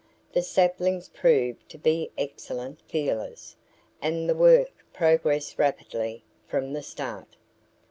The saplings proved to be excellent "feelers" and the work progressed rapidly from the start.